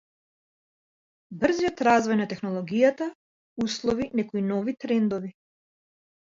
Брзиот развој на технологијата услови некои нови трендови.